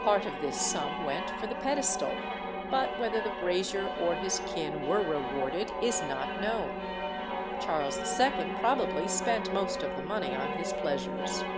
Part of this sum went for the pedestal, but whether the brazier or his kin were rewarded is not known. Charles II. probably spent most of the money on his pleasures.